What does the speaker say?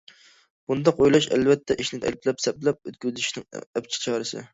بۇنداق ئويلاش ئەلۋەتتە ئىشنى ئەپلەپ- سەپلەپ ئۆتكۈزۈۋېتىشنىڭ ئەپچىل چارىسى.